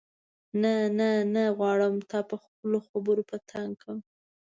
نه نه نه غواړم تا په خپلو خبرو په تنګ کړم.